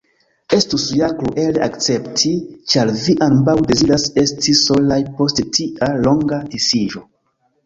Estus ja kruele akcepti, ĉar vi ambaŭ deziras esti solaj post tia longa disiĝo.